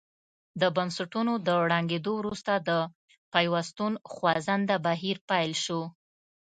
د بنسټونو تر ړنګېدو وروسته د پیوستون خوځنده بهیر پیل شو.